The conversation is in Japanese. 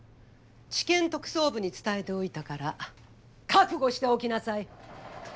地検特捜部に伝えておいたから覚悟しておきなさい。